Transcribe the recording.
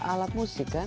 alat musik kan